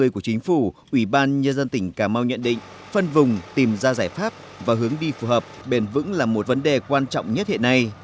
một trăm hai mươi của chính phủ ủy ban nhân dân tỉnh cà mau nhận định phân vùng tìm ra giải pháp và hướng đi phù hợp bền vững là một vấn đề quan trọng nhất hiện nay